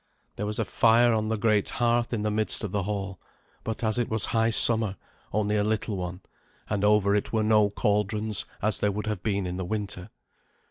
There was a fire on the great hearth in the midst of the hall; but as it was high summer, only a little one, and over it were no cauldrons, as there would have been in the winter.